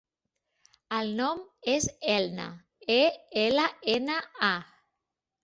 El nom és Elna: e, ela, ena, a.